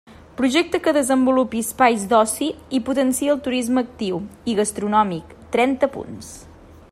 Projecte que desenvolupi espais d'oci i potenciï el turisme actiu i gastronòmic, trenta punts.